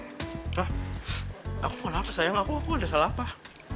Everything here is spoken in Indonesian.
hah aku mau lapar sayang aku udah selapah